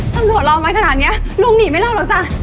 ตำรวจรออยมากขนาดเนี๊ยะลุงหนีไม่เล่าหรอกจ้ะ